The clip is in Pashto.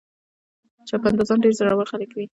چاپندازان ډېر زړور خلک وي.